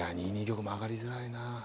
玉も上がりづらいなあ。